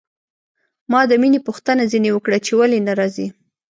ما د مينې پوښتنه ځنې وکړه چې ولې نه راځي.